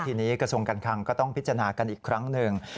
ทีนี้กระทรวงการคังก็ต้องพิจารณากันอีกครั้งหนึ่ง